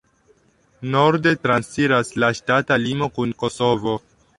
Norde transiras la ŝtata limo kun Kosovo.